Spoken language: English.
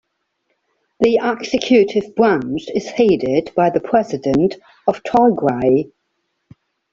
The executive branch is headed by the President of Tigray.